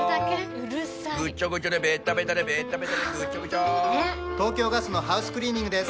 ぐちょ東京ガスのハウスクリーニングです